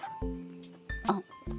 あっ。